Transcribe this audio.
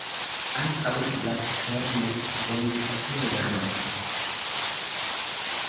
Ankaŭ eblas per necesejpapero!